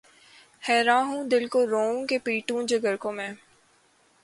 حیراں ہوں‘ دل کو روؤں کہ‘ پیٹوں جگر کو میں